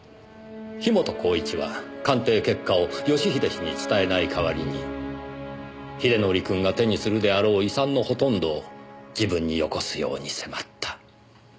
樋本晃一は鑑定結果を義英氏に伝えない代わりに英則くんが手にするであろう遺産のほとんどを自分に寄越すように迫った。